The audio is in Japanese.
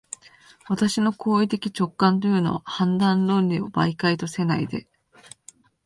私の行為的直観というのは、判断論理を媒介とせないで、